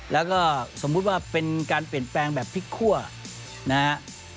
แล้วก็สมมุติว่าเป็นการเปลี่ยนแปลงแบบพริกคั่วนะฮะ